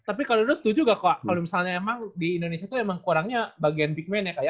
tapi kalau dulu setuju gak kok kalau misalnya emang di indonesia tuh emang kurangnya bagian big man ya kak ya